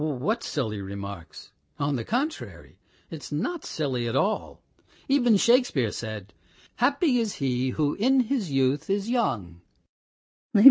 ..." "What silly remarks? On the contrary, it's not silly at all ... even Shakespeare said: 'Happy is he who in his youth is young.'"